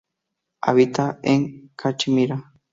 Habita en Cachemira.